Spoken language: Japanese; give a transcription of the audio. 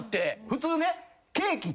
普通ね。